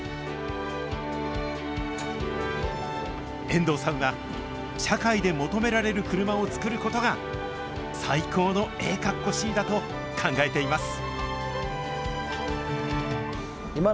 遠藤さんは社会で求められる車を作ることが、最高のええカッコしいだと考えています。